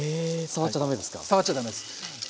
触っちゃだめです。